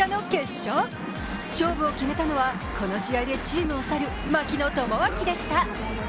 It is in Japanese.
勝負を決めたのはこの試合でチームを去る槙野智章でした。